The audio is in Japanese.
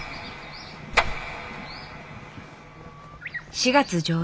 ４月上旬。